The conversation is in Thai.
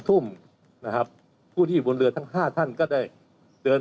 ทุ่มนะครับผู้ที่อยู่บนเรือทั้ง๕ท่านก็ได้เดิน